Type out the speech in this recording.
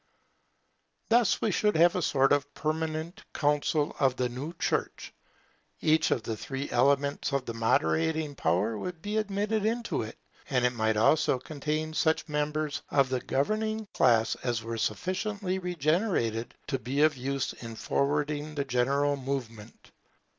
Thus we should have a sort of permanent Council of the new Church. Each of the three elements of the moderating power should be admitted into it; and it might also contain such members of the governing class as were sufficiently regenerated to be of use in forwarding the general movement.